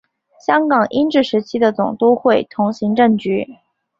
香港英治时期的总督会同行政局。